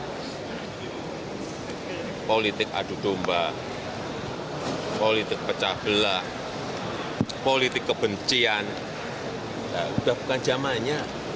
nah politik adu domba politik pecah belah politik kebencian ya sudah bukan jamannya